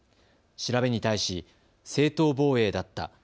調べに対し正当防衛だった。